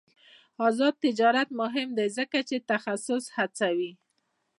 آزاد تجارت مهم دی ځکه چې تخصص هڅوي.